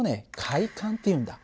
開管っていうんだ。